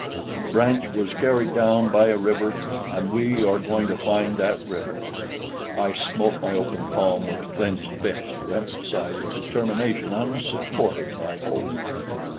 The branch was carried down by a river, and we are going to find that river." I smote my open palm with a clenched fist, to emphasize a determination unsupported by hope.